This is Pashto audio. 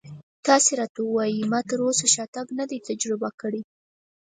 تاسې راته ووایئ ما تراوسه شاتګ نه دی تجربه کړی.